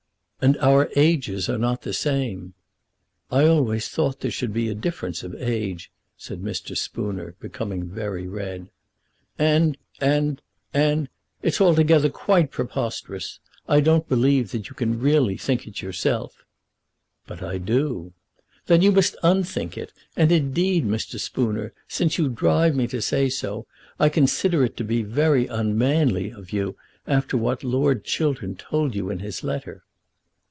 "And our ages are not the same." "I always thought that there should be a difference of age," said Mr. Spooner, becoming very red. "And, and, and, it's altogether quite preposterous. I don't believe that you can really think it yourself." "But I do." "Then you must unthink it. And, indeed, Mr. Spooner, since you drive me to say so, I consider it to be very unmanly of you, after what Lord Chiltern told you in his letter."